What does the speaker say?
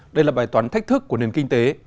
đây là bài toán thách thức của nền kinh tế